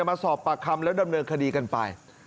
มาสอบปากคำแล้วดำเนินคดีกันไป